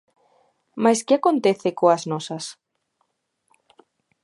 Mais que acontece coas nosas?